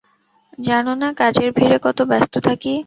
জানো না কাজের ভিড়ে কত ব্যস্ত থাকি?